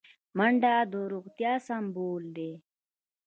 منډه د روغتیا سمبول دی